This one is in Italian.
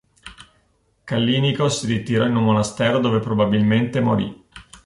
Callinico si ritirò in un monastero dove probabilmente morì.